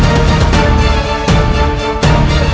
apa yang dilakukan